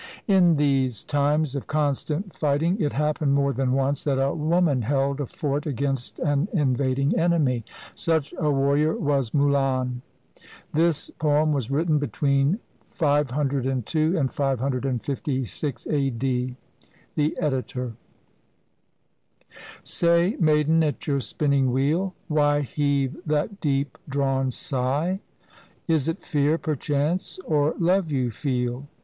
In these times of constant fighting, it happened more than once that a woman held a fort against an invading enemy. Such a warrior was Mulan. This poem was written between 502 and 556 a.d. The Editor.] "Say, maiden at your spinning wheel, Why heave that deep drawn sigh? Is 't fear, perchance, or love you feel?